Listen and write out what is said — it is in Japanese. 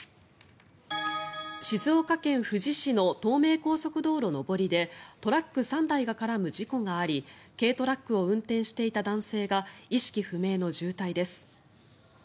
静岡県富士市の東名高速道路上りでトラック３台が絡む事故があり軽トラックを運転していた男性が意識不明の重体です。